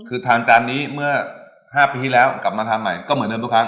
คือทานจานนี้เมื่อ๕ปีที่แล้วกลับมาทานใหม่ก็เหมือนเดิมทุกครั้ง